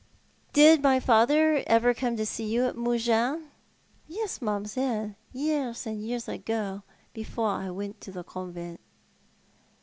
" Did my father ever come to see you at Mougins ?"" Yes, mam'selle, years and years ago ; before I went to the convent."